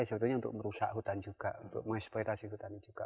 sebetulnya untuk merusak hutan juga untuk mengeksploitasi hutan juga